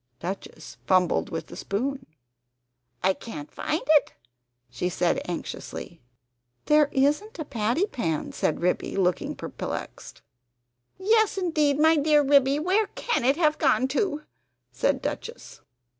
Duchess fumbled with the spoon "I can't find it!" she said anxiously. "There isn't a patty pan," said Ribby, looking perplexed. "Yes, indeed, my dear Ribby; where can it have gone to?" said Duchess.